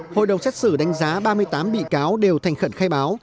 hội đồng xét xử đánh giá ba mươi tám bị cáo đều thành khẩn khai báo